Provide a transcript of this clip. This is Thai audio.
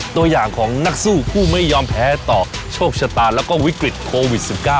ตัวอย่างของนักสู้ผู้ไม่ยอมแพ้ต่อโชคชะตาแล้วก็วิกฤตโควิด๑๙